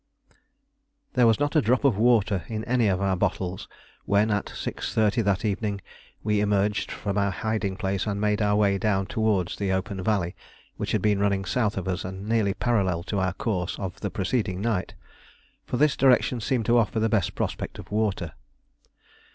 There was not a drop of water in any of our bottles when, at 6.30 that evening, we emerged from our hiding place and made our way down towards the open valley which had been running south of us and nearly parallel to our course of the preceding night; for this direction seemed to offer the best prospect of water.